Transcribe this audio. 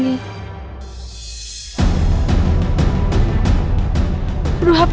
duh hp aku kemana sih